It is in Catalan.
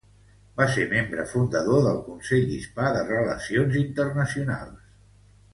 Va ser membre fundador del Consell Hispà de Relacions Internacionals.